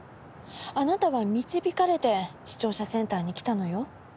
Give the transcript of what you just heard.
あなたは導かれて視聴者センターに来たのよ。